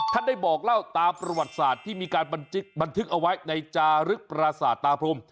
ได้บอกเล่าตามประวัติศาสตร์ที่มีการบันทึกเอาไว้ในจารึกปราสาทตาพรม